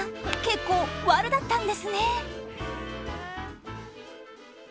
結構ワルだったんですね！